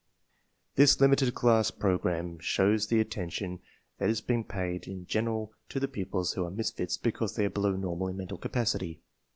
This limited class program shows the attention that is being paid in general to the pupils who are misfits because they are below normal in mental capacity.